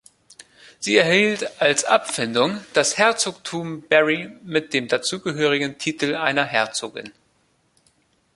Sie erhielt als Abfindung das Herzogtum Berry mit dem dazugehörigen Titel einer Herzogin.